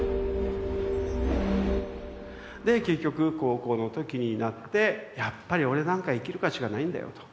で結局高校の時になってやっぱり俺なんか生きる価値がないんだよと。